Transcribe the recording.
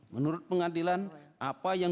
menurut pengadilan apa yang